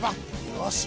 よし！